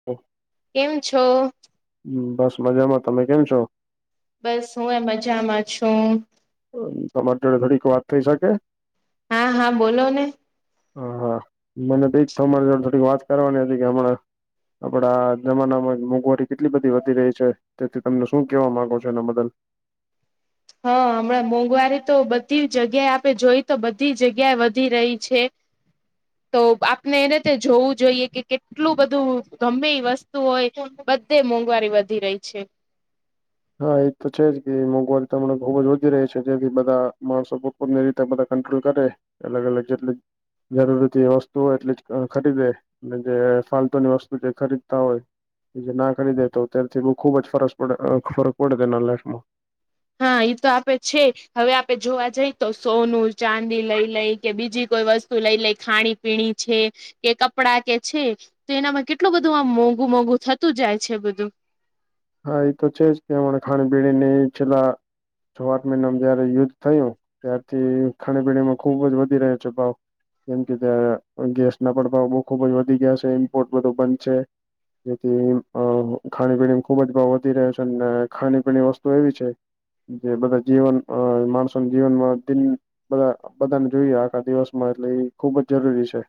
[inaudible] કેમ છો? બસ, મજામાં તમે કેમ છો? બસ, હુંય મજામાં છું. તમાર જોડે ઘડીક વાત થઇ શકે? હા, હા બોલો ને. હઅ, હઅ મને તઈક તમાર જોડ થોડીક વાત કરવાની હતી કે હમણાં આપડા જમાનામાં મોંઘવારી કેટલી બધી વધી રહી છે. તેથી તમને શું કેવા માંગો છો એના બદલ? હઅ, હમણાં મોંઘવારી તો બધી જગ્યાએ આપે જોઈ તો બધી જગ્યાએ વધી રહી છે. [inaudible] તો આપને એ રીતે જોવું જોઈએ કે કેટલું બધું ગમે ઈ વસ્તુ હોય બ તે મોંઘવારી વધી રહી છે. હા, એ તો છે જ કે મોઘવારી તમને ખુબ જ વધી રહી છે જેથી બધા માણસો [unintelligible] રીતે બધા કંટ્રોલ કરે અલગ-અલગ જેટલી જરૂરથી વસ્તુઓ હોય એટલી જ ખરીદે. એટલે જે ફાલતુની વસ્તુ જે ખરીદતા હોય જે ના ખરીદે તો ત્યારથી બઉ ખુબ જ ફરસ પડે અ ફરક પડે તેના લાઈફમાં. હા, ઈ તો આપે છે હવે આપે જોવા જઈ તો સોનું, ચાંદી લઈ લઈ કે બીજી કોઈ વસ તું લઈ લઈ ખાણી-પીણી છે કે કપડા કે છે તો એનામાં કેટલું બધું આમ મોંઘુ-મોઘું થતું જાય છે બધું. હા, ઈ તો છે જ કેમ અમણા ખાણી-પીણી ન છેલા છ-આઠ મહિનામાં જયારે યુદ્ધ થયું ત્યારથી ખાણી-પીણીમાં ખુબ જ વધી રહ્યો છે ભાવ. કેમ કે, ત્યાં ગેસના પ્રભાવ બઉ ખુબ જ વધી ગયા છે, ઇમ્પોર્ટ બધો બંધ છે. ઈતિમ અ ખાણી-પીણીમ ખુબ જ ભાવ વધી રહ્યો છે ને, ખાણી-પીણીની વસ્તુ એવી છે જે બધા જીવન અ માણસોન જીવનમાં દિન બધા બધાન જોઈએ આખા દિવસમાં એટલે એ ખુબ જ જરૂરી છે.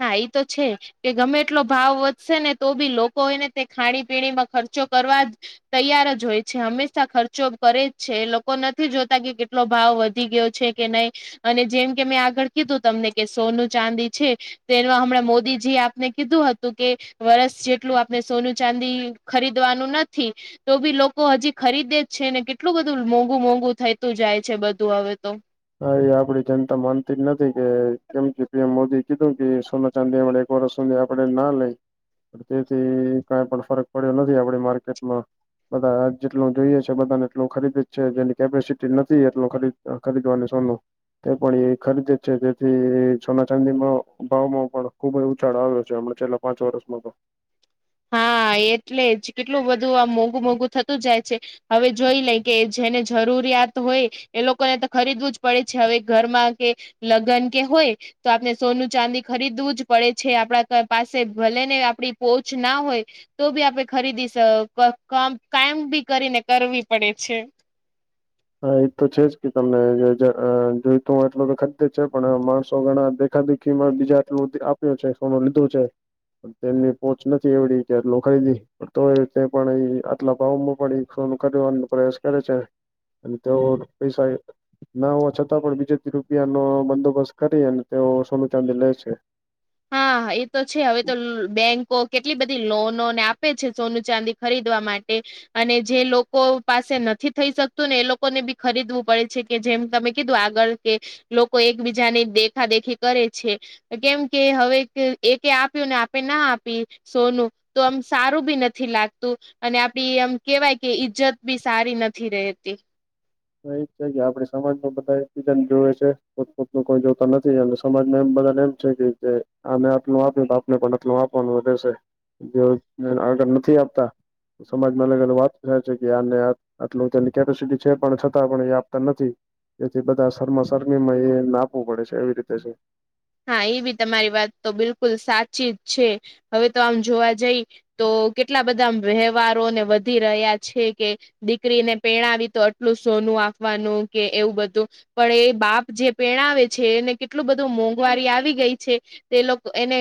હા ઈ તો છે જ. કે ગમે એટલો ભાવ વધશે ને તો બી લોકો એને તે ખાણી-પીણીમાં ખર્ચો કરવા જ તૈયાર જ હોય છે, હંમેશા ખર્ચો કરે જ છે, લોકો નથી જોતા કે કેટલો ભાવ વધી ગયો છે કે નઈ અને જેમ કે મેં આગળ કીધું તમને કે સોનું, ચાંદી છે તેનું આ હમણાં મોદીજીએ આપને કીધું હતું કે વરસ જેટલું આપડે સોનું, ચાંદી ખરીદવાનું નથી તો બી લોકો હજી ખરીદે જ છે ને કેટલું બધું મોંઘુ-મોંઘુ થઈતું જાય છે બધું હવે તો. હા, ઈ આપડી જનતા માનતી જ નથી કે કેમ કે પીએમ મોદી કીધું કે સોના ચાંદી આપડે એક વર્ષ સુધી આપડે ના લઈ તેથી કાંઈ પણ ફરક પડ્યો નથી આપડે માર્કેટમાં બધા જેટલું જોઈએ છે બધાને એટલું ખરીદી જ છે જેની કેપેસિટી નથી એટલ ખરી ખરીદવાની ચલો તે પણ એ ખરીદીે જ છે જેથી સોના ચાંદીમાં ભાવમાં પણ ખુબ જ ઉછાળ આવ્યો છે હમણા છેલ પાંચ વરષમાં પન હા એટલે જ કેટલું બધું આ મોંઘું મોંઘું થતું જાય છે. હવે જોઈ લે કે જેને જરૂરિયાત હોય એ લોકોને તો ખરીદવું જ પડે છે હવે ઘરમાં કે લગ્ન કે હોય. તો આપણે સોનું ચાંદી ખરીદવું જ પડે છે આપડા પાસે ભલે ને આપડી પો ના હોય. તો બી આપડે ખરીદી કાયમ બી કરીને કરવી પડે છે. હ એ તો છે જ કે તમને જોઈતો હ એટલ તો ખતેજ છે પણ માણસો ઘણા. આખા દીમાં બીજા આટલું આપ્યો છે સોનું લીધું છે. તેમની પોહચ નથી એવડી કે આટલો ખરીદી તો પણ આટલા ભાવમાં પણ ફોન કરનું પ્રસ કરે છે અને તેઓ પૈસા ના હો છતાં પણ બીજેથી રૂપિયાનો બંદોબસ્ત કરી અને તેઓ સોનુ ચાંદી લે છે. હાા એ તો છે હવે તો બેંકો કેટલી બધી લોનોને આપે છે સોનું ચાંદી ખરીદવા માટે. અને જે લોકો પાસે નથી થઈ શકતું ને એ લોકોને બી ખરીદવું પડે છે. કે જેમ તમે કીધું આગળ કે લોકો એકબીજાની દેખા દેખી કરે છે કેમ કે હવે એક આપ્યું ને આપે ના આપી. સોનું તો આમ સારું બી નથી લાગતું. અને આપડી એમ કેવાય કે ઈજ્જત બી સારી નથી રહેતી. એ જ છે કે આપડે સજમાં બધા એક બીજ જોઈએ છે પોતપત ન કોઈ જોતા નથી સમાજમાં એમ બધાનેમ કે જે આમે આટલું આપ્યું બાપને પણ આટલું આપવાનું વધેશે જે આગળ નથી આપતા સમાજમાં અલગ અલગ વાત થાય છે કે આ આટલુંની કેપેસિટી છે પણ પણ એ આપતા નથી એથી બધા શમાસરમી માં એ આપવું પડે છે એવી રીતે છે. હા એ બી તમારી વાત તો બિલકુલ સાચી જ છે હવે તો આમ જોવા જઈ તો કેટલા બધા વ્યવહરોને વધી રહ્યા છે કે દીકરીને પણાવી તો આટલું સોનું આપવાનું કે એવું બધું પણ એ બાપ જે પેણાવે છે એને કેટલું બધું મોંઘ ઘવારી આવી ગઈ છે તે લોકો એને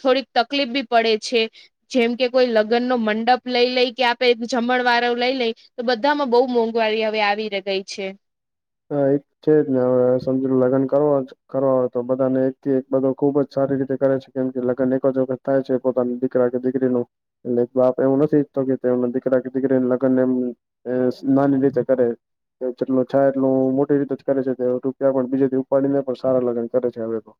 થોડીક તકલીફ બી પડે છે. જેમ કે કોઈ લગ્ન નો મંડપ લઈ લઈ કે આપે જમણ વાળ લઈ લઈ. તો બધામાં બહુ મોંઘવારી હવે આવી ગઈ છે. હા એ છે જ ને હવે સમ લગ્ન કરવાનું કરવાય તો બધાને એક થી એક બધો ખુબ જ સારી રીતે કરે છે કેમ કે લગ્ન એક જ વખત થાય છે પોતાની દીકરા કે દીકરીનું એટલે બાપ એવું નથી ઈચ્છતો કેમને દીકરા કે દીકરી લગ્નને એમ એ નાની રીતે કરે જેટલો થાય. એટલું મોટી રીતે જ કરે છે રૂપિયા પણ બીજા દિવ ઉપાડીને પણ સારા લગ્ને છે હવે તો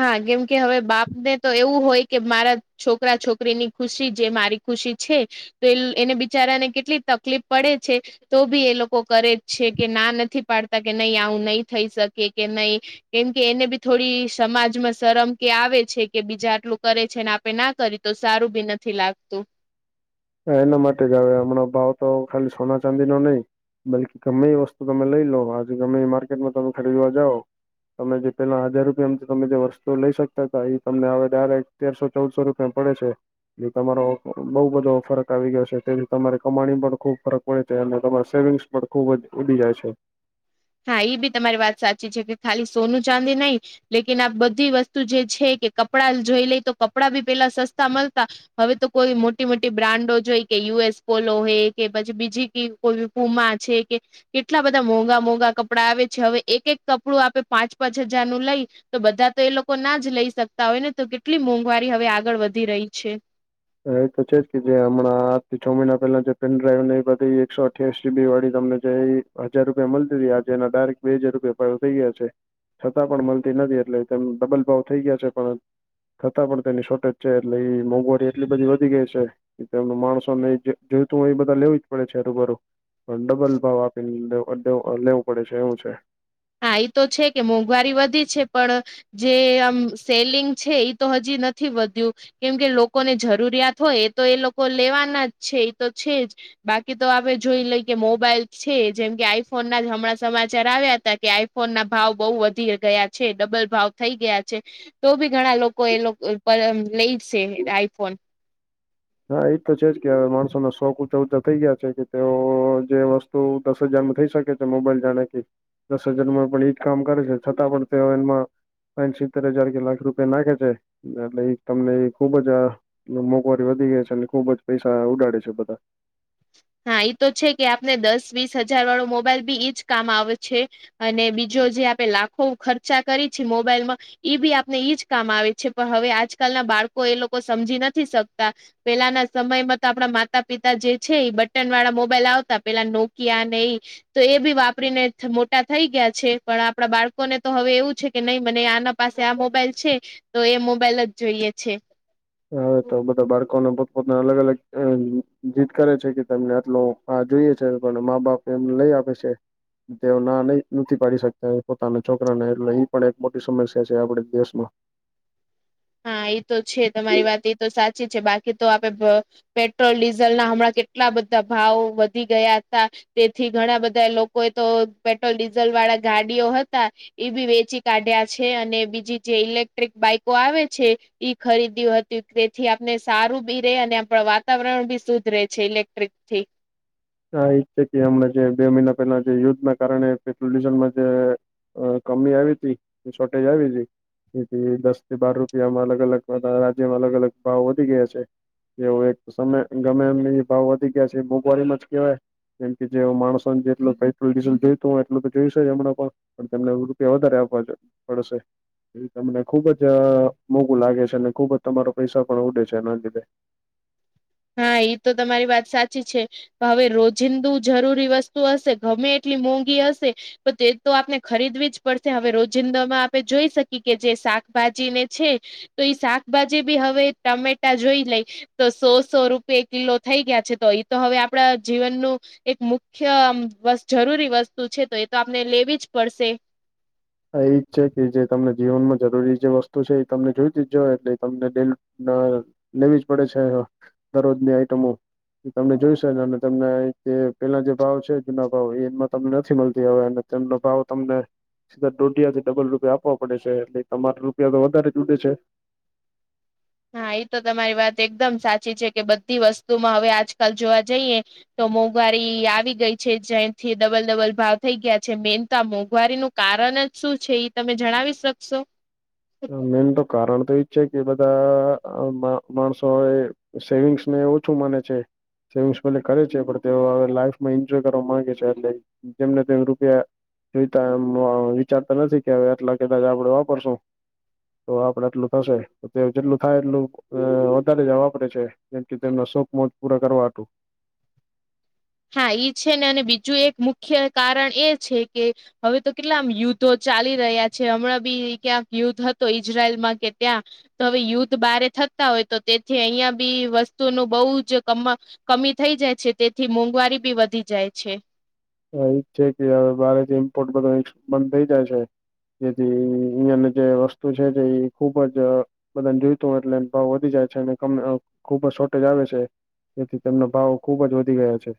હા કેમ કે હવે બાપ ને તો એવું હોય કે મારા છોકરા છોકરીની ખુશી જે મારી ખુશી છે. તો એ એને બિચારાને કેટલી તકલીફ પડે છે. તો ભી એ લોકો કરે જ છે કે ના નથી પાડતા કે નહી આવું નહી થઈ શકે કે નહી. કેમ કે એને બી થોડી. સમાજમાં શરમ કે આવે છે કે બીજા આટલું કરે છે ને આપે ના કરી તો સારું બી નથી લાગતું. હ એના માટે ગ આવે હમણા ભાવ તો ખાલી સોના ચાંદી નો નહી. બલકી ગમે એ વસ્તુ તમે લઈ લો આજે ગમે માર્કેટમાં તમે ખરીદવા જાવ. તમે જે પેલા હજાર રૂપિયા તમે જે વસ્તુઓ લઈ શકતા હતા એ તમને હવે ડરેક તેરસો ચૌદસો રૂપિયા પડે છે એ તમારો બઉ બધો. ફરક આવી ગયો છે તેથી તમારી કમાણી પણ ખુબ ફરક પડે છે અને તમારા સેવિંગ્સ પણ ખુબ જ ઉડી જાય છે. હા એ બી તમારી વાત સાચી છે કે ખાલી સોનું ચાંદી નહી. લેકન આ બધી વસ્તુ જે છે કે કપડા જોઈ લઈ તો કપડાં બી પેલા સસ્તા મળતા. હવે તો કોઈ મોટી મોટી બ્રાન્ડો જોઈ કે યુએસ પોલો હોય કે પછી બીજી ક કોઈ પૂમા છે કે કેટલા બધા મોંઘા મોઘા. કપડાં આવે છે હવે એક એક કપડું આપે પાંચ પાંચ હજાર નું લઈ તો બધા તો એ લોકો ના જ લઈ શકતા હોય ને તો કેટલી મોંઘવારી હવે આગળ વધી રહી છે. એ તો છે જ કે જે હમણાં થી છ મહિના પહેલા જે પેન ડ્રાઈવ ને એ બધી એકસો અઠ્યાસી જીબી વાળી તમને જે એ હજાર રૂપિયા મળતી હતી આજ એના ડાયરેક્ટ બે હજાર રૂપિયા થઈ ગયા છે. છતાં પણ મળતી નથી એટલે તેમ ડબલ ભાવ થઈ ગયા છે પણ થતાં પણ તો એની શોર્ટેજ છે એટલે એ મોંઘવારી એટલી બધી વધી ગઈ છે એમનું માણસો ને જોઈતું હોય એ બધા લેવી જ પડે છે હરબરું ડબલ ભાવ આપીને લેવું પડે છે એવું છે. હા એ તો છે કે મોંઘવારી વધી છે પણ જે આમ સેલિંગ છે તો હજી નથી વધ્યું કેમ કે લોકોને જરૂરિયાત હોય એ તો એ લોકો લેવાના જ છે એ તો છે જ બાકી તો આપે જોઈ લઈ કે મોબાઈલ છે જેમ કે આઈફોન ના જ હમણાં સમાચાર આવ્યા હતા. કે આઈફોન ના ભાવ બઉુ વધી ગયા છે ડબલ ભાવ થઈ ગયા છે. તો ભી ઘણા લોકો એ લોકો લઈ જશે આઈફોન. હા એજ તો છે જ કે માણસોના શોખ ઊંચા ઊંચા થઈ ગયા છે કે તેઓ જે વસ્તુ તો દસ હજારમાં થઈ શકે છે મોબાઈલ જાણે કે દસ હજારમાં પણ એઈ જ કામ કરે છે છતાં પણ તેઓ એમાં પા સિત્તેર હજાર કે લાખ રૂપિયા નાખે છે એટલે એ તમને એ ખુબજ આ મોકો વધી ગયા છે અને ખુબ જ પૈસા ઉડાડે છે બધા હા એ તો છે કે આપને દસ વીસ હજાર વાળો મોબાઈલ બી ઈજ કામ આવે છે. અને બીજો જે આપે લાખો ખર્ચા કરી છે મોબાઈલમાં. બી આપને ઈજ કામ આવે છે પણ હવે આજકાલના બાળકો એ લોકો સમજી નથી શકતા. પેલાના સમયમાં તો આપણા માતા પિતા જે. છે એ બટન વાળા મોબાઈલ આવતા પેલા નોકિયા ને એ. તો એ બી વાપરીને મોટા થઈ ગયા છે પણ આપણા બાળકોને તો હવે એવું છે કે નહી મને આના. પાસે આ મોબાઈલ છે તો એ મોબાઈલ જ જોઈએ છે. હા તો બધા બાળકોને પોતપોતાના અલગ અલગ અ જીત કરે છે કે તને આટલ. હા જોઈએ છે લોકોને મા બાપ એમને લઈ આપે છે. તેઓ ના નહી નથી પાડી શકતા પોતાના છોકરાને એટલે પણ એક મોટી સમસ્યા છે આપડ દેશમાં હા એ તો છે તમારી વાત એ તો સાચી છે બાકી તો આપે પેટ્રોલ ડીઝલ ના હમણાં કેટલા બધા ભાવ વધી ગયા હતા. તેથી ઘણા બધા લોકો એ તો પેટ્રોલ ડીઝલ વાળા ગાડીઓ હતા. એ બી વેચી કાઢ્યા છે અને બીજી જે ઇલેક્ટ્રિક બાઈકો આવે છે ઈ ખરીદ્યું હતું તેથી આપને સારું બી રે અને આપણ વાતાવરણ બી શુદધરે છે ઇલેક્ટ્રિક થી. હા એ જ છે કેમને જે બે મહિના પેલા જે યુદ્ધ ના કારણે પ્રોલ્યુશનમાં જે. અ કમી આવી તી શોર્ટેજ આવી તી. એથી દસ થી બાર રૂપિયામાં અલગ અલગ રાજ્યમાં અલગ અલગ ભાવ વધી ગયા છે. એવું એક સમ ગમે એ એ ભાવ વધી ગયા છે મોંઘવારીમાં જ કવાય કેમ કે જે માણસોને જે પેટ્રોલ ડીઝલ જોઈતું હોય એટલું તો જોઈશે હમણા પણ પણ તને રૂપિયા વધારે આપવા પડશે. એ તમને ખુબ જ મોંઘું લાગે છે અને ખુબ જ તમારો પૈસા પણ ઉડે છે એના લીધે હા એ તો તમારી વાત સાચી છે. હવે રોજિંદુ જરૂરી વસ્તુ હશે ગમે એટલી મોંઘી હશે. તો તે તો આપને ખરીદવી જ પડશે હવે રોજિંદામાં આપણે જોઈ શકીએ કે જે શાકભાજીને છે. તો એઈ શાકભાજી બી હવે ટમેટા જોઈ લઈ તો સોસ સો રૂપિયા કિલો થઈ ગયા છે તો એ તો હવે આપણા જીવનનું એક મુખ્ય જરૂરી વસ્તુ છે તો એ તો આપને લેવી જ પડશે એ જ છે કે જે તમને જીવનમાં જરૂરી જે વસ્તુ છે એ તમને જોઈ ત જ જા એટલે તમનેે ના લેવી જ પડે છે દરરોજની આઈટમો એ તમને જોઈશે ને અને તમને પેલા જે ભાવ છે જૂના ભાવ એમાં તમને નથી મળતી હને તેમનો ભાવ તમને સીધા દોઢિયા થી ડબલ રૂપિયા આપવા પડે છે એટલે તમારે રૂપિયા તો વધારે જ ઉડે છે. હા એ તો તમારી વાત એકદમ સાચી છે કે બધી વસ્તુમાં હવે આજકાલ જોવા જઈએ તો મોંઘવારી આવી ગઈ છે જ્યાંથી ડબલ ડબલ ભાવ થઈ ગયા છે મેન તો મોંઘવારીનું કારણ જ શું છે તમે જણાવી શકશો મેન તો કારણ તો એજ છે કે બધા માણસો એ સેવિંગ્સને ઓછું મને છે. સેવિંગ્સલે કરે છે પણ તેઓ હવે લાઈફમાં એન્જોય કરવા માંગે છે એટલે જેમને તેમ રૂપિયા એ એમ વિચારતા નથી કે હવે આટલા કદાચ આપડે વાપરશું તો આપડે એટલું થશે તે જેટલું થાય એટલું અ વધારે જ વાપરે છે જેમ કે તેમના શોખ મોજ પૂરા કરવા હતું હા એઈ છે ને અને બીજું એક મુખ્ય કારણ એ છે કે હવે તો કેટલામ યુદ્ધો ચાલી રહ્યા છે હમણાં બી ક્યાંક યુદ્ધ હતો ઈજરાયલમાં કે ક્યાં તો હવે યુદ્ધ બારે થતા હોય તો તેથી અહિયાં બી વસ્તુનું બહુ જ કમ કમી થઈ જાય છે તેથી મોંઘવારી બી વધી જાય છે. એજ છે કે હવે ભારે ઇમ્પોર્ટ બધો બંધ થઇ જાય છે. જેથી અહિયાની જે વસ્તુ છે તે એ ખુબ જ બધાને જોઈત હોય એટલે ભાવ વધી જાય છે અને ખુબ જ શોર્ટેજ આવે છે. તેથી તેમનો ભાવો ખુબ જ વધી ગયો છે.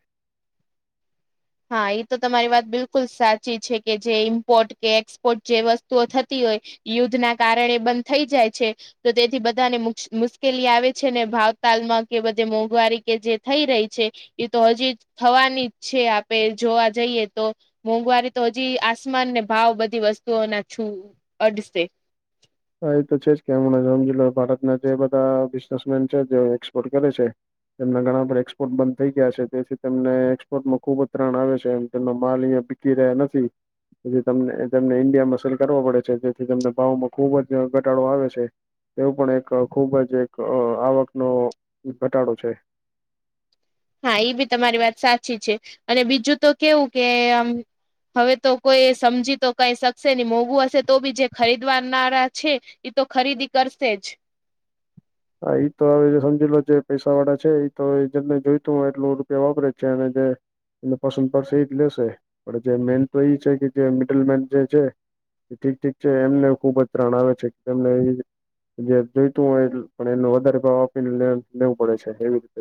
હા એ તો તમારી વાત બિલકુલ સાચી છે કે જે ઇમ્પોર્ટ કે એક્સપોર્ટ જે વસ્તુઓ થતી હોય યુદ્ધ ના કારણે બંધ થઈ જાય છે. તો તેથી બધાને મુશ્કેલી આવે છે ને ભાવતાલમાં કે બધે મોંઘવારી કે જે થઈ રહી છે. એ તો હજી જ થવાની જ છે આપ જોવા જઈએ તો મોંઘવારી તો હજી આસમાન ને ભાવ બધી વસ્તુઓ ના છું. અઢસ્તે હા એ તો છે જ કે હમણા જો ભારતના જે બધા બિઝનેસમેન છે જે એક્સપોર્ટ કરે છે. તેમના ઘણા બધ એક્સપોર્ટ બંધ થઈ ગયા છે તેથી તેમને એક્સપોર્ટમાં ખુબ જ ત્રણ આવે છેમ તેમનો માલ અહં રહ્યા નથીમને ઇન્ડિયામાં સલ કરવો પડે છે જેથી તમને ભાવમા ખુબ જ ઘટાડો આવે છે. એવું પણ એક ખુબ જ એક આવકનો ઘટાડો છે. હા એ બી તમારી વાત સાચી છે અને બીજું તો કેવું કે આમ હવે તો કોઈ સમજી તો કઈ શકશે નહી મોંઘું હશે તો બી જે ખરીદવાનારા છે. એ તો ખરીદી કરશે જ. હા તો હવે સમજી લો જે પૈસા વાળા છે તો એ જેને જોઈતું હોય એટલ રૂપિયા વાપરે જ છે અને જે એને પસંદ પડશે એ જ લેશે પણ જે મેન તો એ છે કે જે મિડલ મેન જે છે ઠીક ઠીક છે એમને ખુબ જ ત્રણ આવે છે તેમને જે જોઈતું હોય પણ એનો વધારે ભાવ આપીને લેવું પડે છે એવી રીતે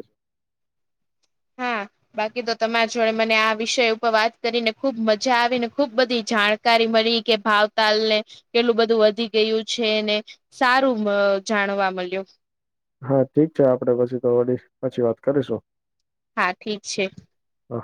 હા બાકી તો તમારા જોડે મને આ વિષય ઉપર વાત કરીને ખુબ મજા આવી ને ખુબ બધી જાણ કારી મળી કે ભાવતાલ ને કેટલું બધું વધી ગયું છે ને. સારું મ જાણવા મળ્યું હા ઠીક છે આપડે પછી તો વ પછી વાત કરીશું હા ઠીક છે. હ